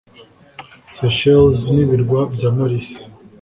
Seychelles n’Ibirwa bya Maurice